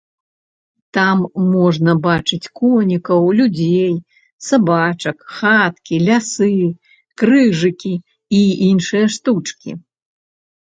Там можна бачыць конікаў, людзей, сабачак, хаткі, лясы, крыжыкі і іншыя штучкі.